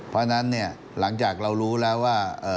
เพราะฉะนั้นเนี่ยหลังจากเรารู้แล้วว่า